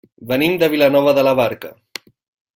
Venim de Vilanova de la Barca.